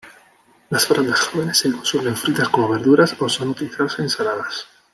Las frondas jóvenes se consumen fritas como verduras o son utilizadas en ensaladas.